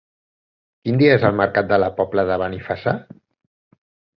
Quin dia és el mercat de la Pobla de Benifassà?